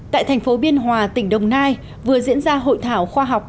tại thành phố biên hòa tỉnh đồng nai vừa diễn ra hội thảo khoa học